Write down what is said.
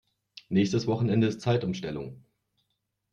Nächstes Wochenende ist Zeitumstellung.